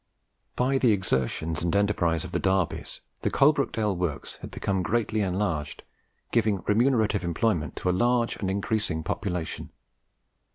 By the exertions and enterprise of the Darbys, the Coalbrookdale Works had become greatly enlarged, giving remunerative employment to a large and increasing population.